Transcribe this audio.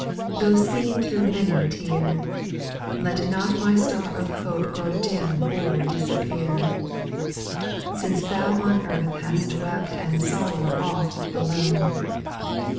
Though seen through many a tear, Let not my star of hope Grow dim or disappear; Since Thou on earth hast wept And sorrowed oft alone.